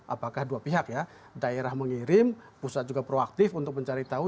apakah dua pihak ya daerah mengirim pusat juga proaktif untuk mencari tahu